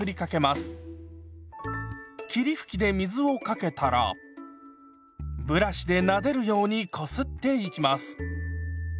霧吹きで水をかけたらブラシでなでるようにこすっていきます。